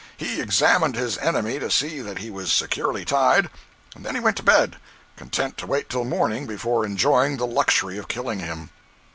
He examined his enemy to see that he was securely tied, and then went to bed, content to wait till morning before enjoying the luxury of killing him.